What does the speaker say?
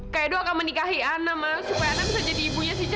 kak edo akan menikahi ana ma supaya ana bisa jadi ibunya si cantik